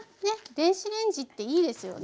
電子レンジっていいですよね。